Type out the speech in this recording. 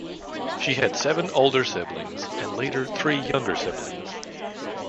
She had seven older siblings and later three younger siblings.